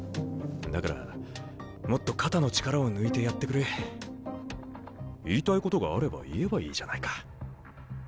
だからもっと肩の力を抜いてやってくれ。言いたいことがあれば言えばいいじゃないか。